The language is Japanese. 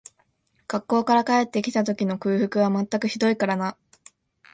学校から帰って来た時の空腹は全くひどいからな